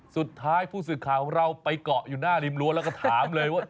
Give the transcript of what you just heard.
สุดท้ายผู้สื่อข่าวของเราไปเกาะอยู่หน้าริมรั้วแล้วก็ถามเลยว่า